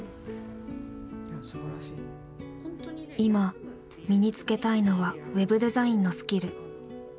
今身につけたいのはウェブデザインのスキル。